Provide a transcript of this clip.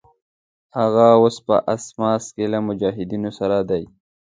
هغه اوس په اسماس کې له مجاهدینو سره دی.